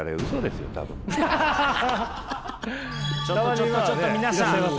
ちょっとちょっとちょっと皆さん